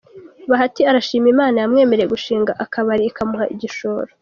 Bahati arashima Imana yamwemereye gushinga akabari ikamuha igishoro.